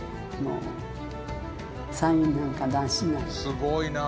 すごいな！